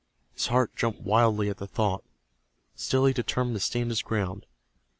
His heart jumped wildly at the thought. Still he determined to stand his ground.